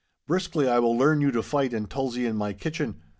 'Briskly I will learn you to fight and tulzie in my kitchen.